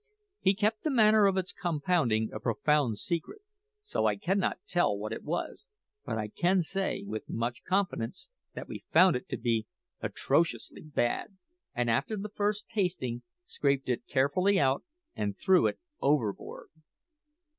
He kept the manner of its compounding a profound secret, so I cannot tell what it was; but I can say, with much confidence, that we found it to be atrociously bad, and after the first tasting, scraped it carefully out and threw it overboard.